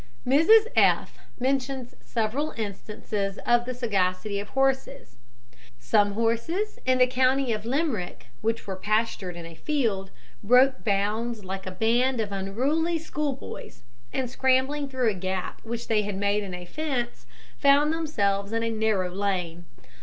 Mrs F mentions several instances of the sagacity of horses. Some horses in the county of Limerick, which were pastured in a field, broke bounds like a band of unruly schoolboys, and scrambling through a gap which they had made in a fence, found themselves in a narrow lane.